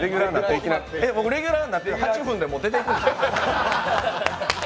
レギュラーになってもう８分で出て行くんですか？